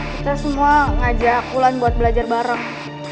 kita semua ngajak wulan buat belajar bareng